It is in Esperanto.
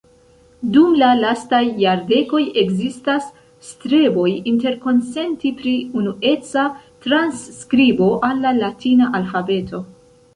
Dum la lastaj jardekoj ekzistas streboj interkonsenti pri unueca transskribo al la latina alfabeto.